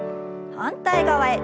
反対側へ。